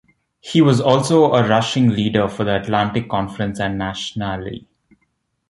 He was also a rushing leader for the Atlantic conference and nationally.